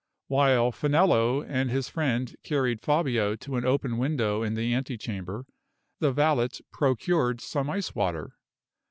While Finello and his friend carried Fabio to an open window in the antechamber, the valet procured some iced water.